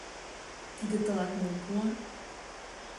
— Тиде тылат мом пуа?